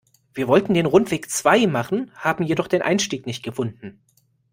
Wir wollten den Rundweg zwei machen, haben jedoch den Einstieg nicht gefunden.